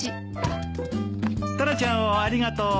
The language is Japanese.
タラちゃんをありがとう。